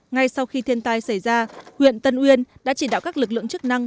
ngay sau khi thiên tai xảy ra huyện tân uyên đã chỉ đạo các lực lượng chức năng